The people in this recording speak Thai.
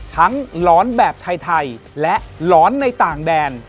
หลอนแบบไทยและหลอนในต่างแดน